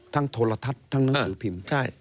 ทั้งโทษละทัศน์ทั้งหนังสือพิมพ์